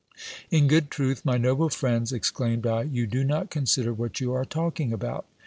In good truth, my noble friends, exclaimed I, you do not consider what you are talking about.